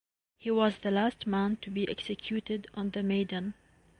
He was the last man to be executed on the Maiden.